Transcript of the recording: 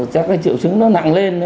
chắc cái triệu chứng nó nặng lên